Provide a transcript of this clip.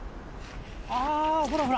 あほらほら